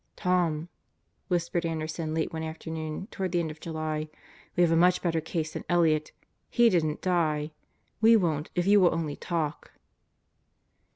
"Tom," whispered Anderson late one afternoon toward the end of July, "we have a much better case than Elliott. He didn't die. We won't if you will only talk."